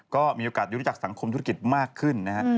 ก็มีโอกาสรู้จักสังคมธุรกิจมากขึ้นนะฮะ